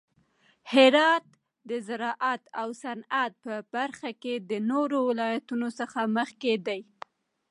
هرات د زراعت او صنعت په برخه کې د نورو ولایتونو څخه مخکې دی.